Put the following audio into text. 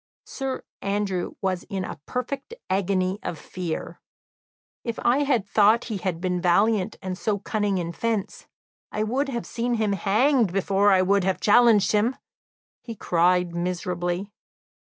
Sir Andrew was in a perfect agony of fear. "If I thought he had been valiant and so cunning in fence, I would have seen him hanged before I would have challenged him!" he cried miserably.